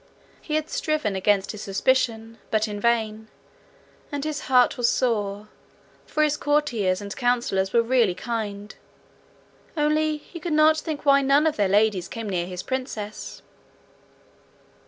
He had striven against his suspicion, but in vain, and his heart was sore, for his courtiers and councillors were really kind; only he could not think why none of their ladies came near his princess.